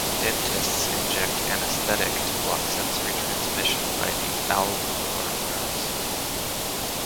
Dentists inject anesthetic to block sensory transmission by the alveolar nerves.